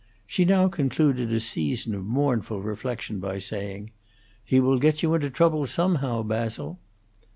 She now concluded a season of mournful reflection by saying, "He will get you into trouble, somehow, Basil."